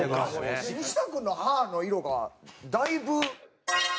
西田君の歯の色がだいぶ。